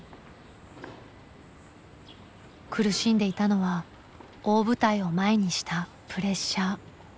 苦しんでいたのは大舞台を前にしたプレッシャー。